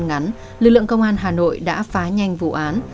trong một thời gian ngắn lực lượng công an hà nội đã phá nhanh vụ án